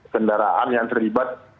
kendaraan yang terlibat